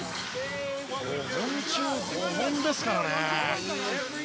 ５本中５本ですからね。